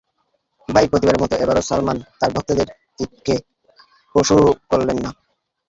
তাই প্রতিবারের মতো এবারও সালমান তাঁর ভক্তদের ঈদকে পণ্ড করলেন না।